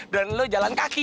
dan lo jalan kaki